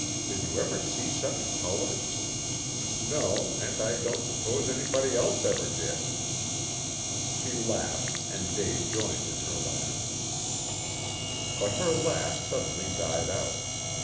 Did you ever see such colors? No, and I don't suppose anybody else ever did." She laughed, and Dave joined in her laugh. But her laugh suddenly died out.